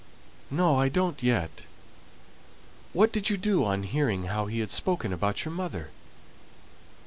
"No, I don't yet. What did you do on hearing how he had spoken about your mother?"